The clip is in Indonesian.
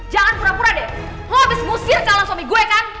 jangan pura pura deh kok habis ngusir calon suami gue kan